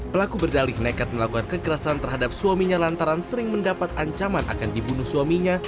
pelaku berdalih nekat melakukan kekerasan terhadap suaminya lantaran sering mendapat ancaman akan dibunuh suaminya